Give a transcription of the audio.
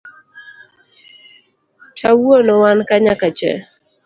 Tawuono wanka nyaka che.